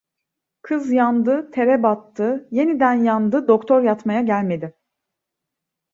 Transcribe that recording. Kız yandı, tere battı, yeniden yandı, doktor yatmaya gelmedi.